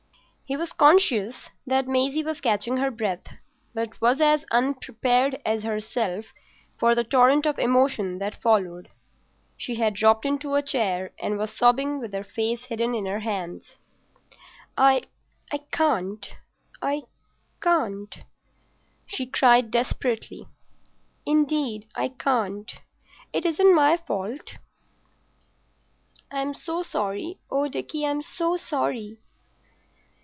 He was conscious that Maisie was catching her breath, but was as unprepared as herself for the torrent of emotion that followed. She had dropped into a chair and was sobbing with her face hidden in her hands. "I can't—I can't!" she cried desperately. "Indeed, I can't. It isn't my fault. I'm so sorry. Oh, Dickie, I'm so sorry."